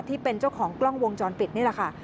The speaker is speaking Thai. ที่เป็นเจ้าของกล้องวงจรปิดนี่แหละค่ะ